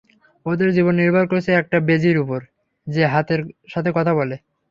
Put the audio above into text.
ওদের জীবন নির্ভর করছে একটা বেজির উপর, যে হাতের সাথে কথা বলে।